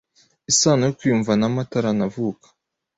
isano yo kwiyumvanamo ataranavuka.